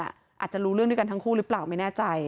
อาจจะรู้เรื่องด้วยกันทั้งคู่หรือเปล่าไม่แน่ใจ